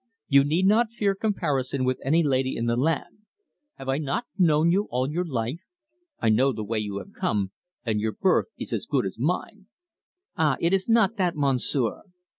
You need not fear comparison with any lady in the land. Have I not known you all your life? I know the way you have come, and your birth is as good as mine." "Ah, it is not that, Monsieur!"